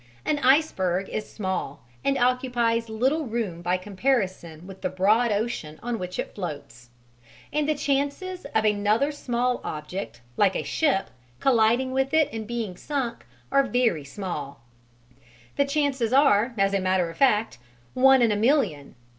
An iceberg is small and occupies little room by comparison with the broad ocean on which it floats; and the chances of another small object like a ship colliding with it and being sunk are very small: the chances are, as a matter of fact, one in a million.